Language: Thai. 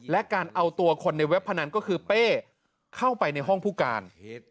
และการเอาตัวคนในเว็บพนันก็คือเป้เข้าไปในห้องผู้การ